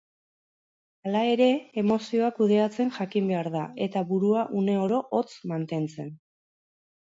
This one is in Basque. Hala ere, emozioa kudeatzen jakin behar da eta burua uneoro hotz mantentzen.